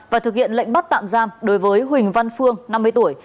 và thực hiện lệnh bắt tạm giam đối với huỳnh văn phương năm mươi tuổi